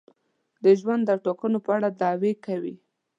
د ژوند او ټاکنو په اړه دعوې کوي.